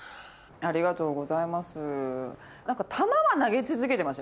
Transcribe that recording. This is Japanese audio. ありがとうございます。